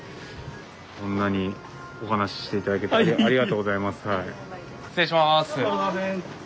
こんなにお話しして頂けてありがとうございます。